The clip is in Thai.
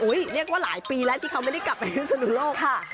อุ้ยเรียกว่าหลายปีแล้วที่เขากลับที่พิศนุโลก